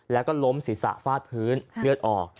แล้วก็ล้มศีรษะฟาดพื้นเลือดออก